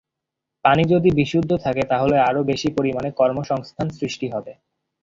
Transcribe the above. পানি যদি বিশুদ্ধ থাকে তাহলে আরও বেশি পরিমাণে কর্মসংস্থান সৃষ্টি হবে।